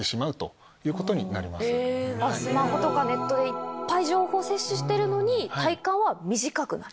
スマホとかネットでいっぱい情報摂取してるのに体感は短くなる？